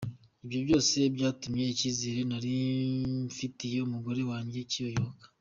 Ibyo byose byatumwe ikizere narimfitiye umugore wanjye kiyoyoka.